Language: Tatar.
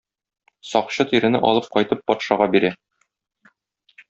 Сакчы тирене алып кайтып патшага бирә.